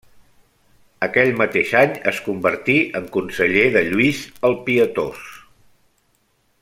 Aquell mateix any es convertí en conseller de Lluís el Pietós.